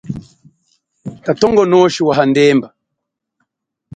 Kathongonoshi wa hamandemba.